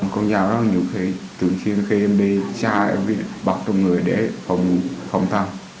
con dao đó nhiều khi từ khi em đi cha em bị bọc trong người để phòng thăm